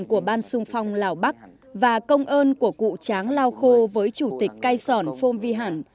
phần ba là hình ảnh của ban xung phong lào bắc và công ơn của cụ tráng lao khô với chủ tịch cái sỏn phương vĩ hẳn